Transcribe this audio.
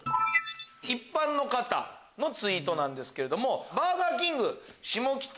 一般の方のツイートなんですけど。